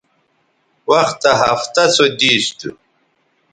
وختہ ہفتہ سو دیس تھو